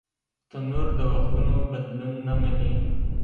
تنور د وختونو بدلون نهمني